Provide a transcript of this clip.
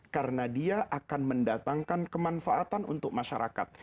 karena dia akan mendatangkan kemanfaatan untuk masyarakat